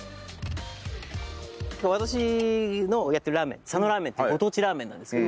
私のやっているラーメン佐野ラーメンっていうご当地ラーメンなんですけど。